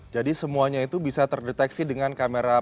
jadi semuanya itu bisa terdeteksi dengan kamera perangkat